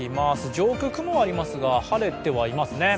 上空、雲はありますが晴れてはいますね。